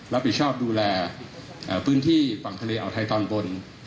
รับผิดชอบดูแลพื้นที่ฝั่งทะเลอ่าวไทยตอนบน